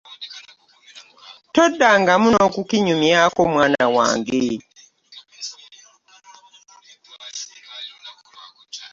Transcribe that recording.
Toddangamu nokinyumyako mwana wange .